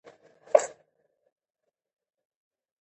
چي زه نه یم په جهان کي به تور تم وي